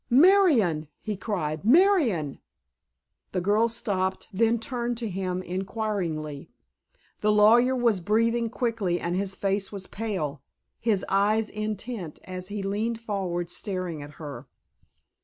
"Marion!" he cried, "Marion!" The girl stopped, then turned to him inquiringly. The lawyer was breathing quickly, and his face was pale, his eyes intent as he leaned forward staring at her.